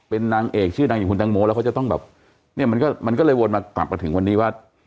เป็นนางเอกชื่อว่าอยู่นางโมแล้วก็จะต้องกับมันก็มันก็เลยวนมาตามกันถึงวันนี้ว่า